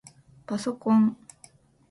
パソコン